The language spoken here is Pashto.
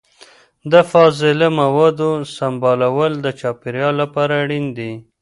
د فاضله موادو سمبالول د چاپیریال لپاره اړین دي.